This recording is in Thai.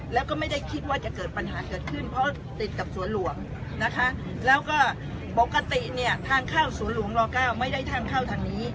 แล้วก็ไม่ได้คิดว่าจะเกิดปัญหาเกิดขึ้นเพราะติดกับสวนหลวงนะคะแล้วก็ปกติเนี่ยทางเข้าสวนหลวงร๙ไม่ได้ทางเข้าทางนี้